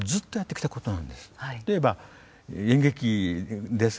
例えば演劇です